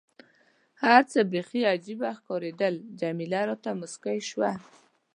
هر څه بیخي عجيبه ښکارېدل، جميله راته موسکۍ شوه.